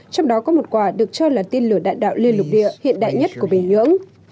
trong đó có một quả được cho là tên lửa đạn đạo liên lục địa hiện đại nhất của bình nhưỡng